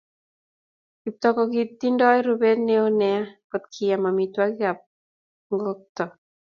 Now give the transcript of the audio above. Kiptoo kokitindo rubet neo nea kot ko kiam amitwokik ab ngokto